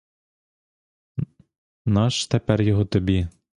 На ж тепер його тобі!